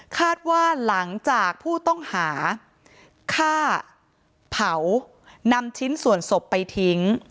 คาดว่าหลังจากผู้ต้องหาฆ่าเผานำชิ้นส่วนศพไปทิ้ง